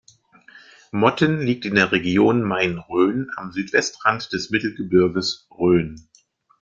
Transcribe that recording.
Motten liegt in der Region Main-Rhön am Südwestrand des Mittelgebirges Rhön.